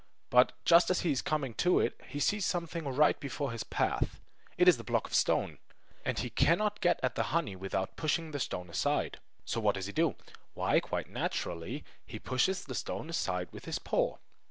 But just as he is coming to it, he sees something right before his path. It is the block of stone! And he cannot get at the honey without pushing the stone aside. So, what does he do? Why, quite naturally he pushes the stone aside with his paw.